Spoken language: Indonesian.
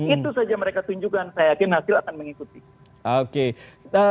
itu saja mereka tunjukkan saya yakin hasil akan mengikuti